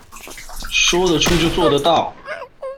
說得出就做得到